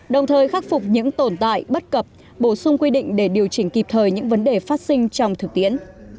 đồng thời khắc phục những tồn tại bất cập bổ sung quy định để điều chỉnh kịp thời những vấn đề phát sinh trong thực tiễn